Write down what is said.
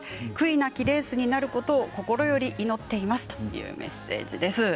なきレースになることを心より祈っていますというメッセージです。